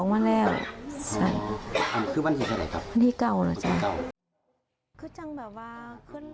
วันที่เก่าหรอจ๊ะ